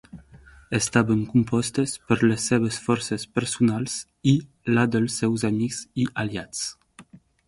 Estaven compostes per les seves forces personals i la dels seus amics i aliats.